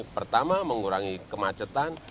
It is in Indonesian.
pertama mengurangi kemacetan